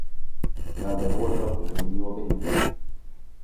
هذا هو الفرق بيني وبينك